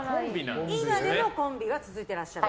今でもコンビは続いてらっしゃる？